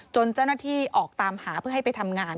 เจ้าหน้าที่ออกตามหาเพื่อให้ไปทำงาน